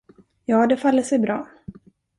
Ja, det faller sig bra.